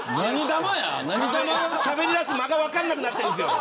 しゃべりだす間が分からなくなってるんですよ。